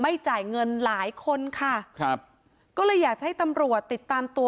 จ่ายเงินหลายคนค่ะครับก็เลยอยากจะให้ตำรวจติดตามตัว